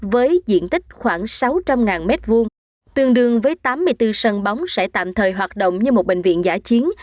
với diện tích khoảng sáu trăm linh m hai tương đương với tám mươi bốn sân bóng sẽ tạm thời hoạt động như một bệnh viện giả chiến